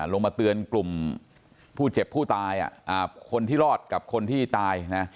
ลงมาเตือนกลุ่มผู้เจ็บผู้ตายคนที่รอดกับคนที่ตายนะ